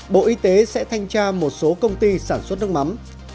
bộ y tế sẽ thanh tra một số công ty sản xuất nước mắm